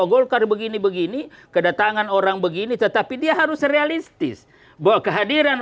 golkar begini begini kedatangan orang begini tetapi dia harus realistis bahwa kehadiran